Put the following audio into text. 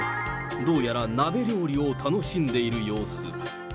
どうやら鍋料理を楽しんでいる様子。